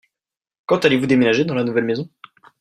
Quand allez-vous déménager dans la nouvelle maison ?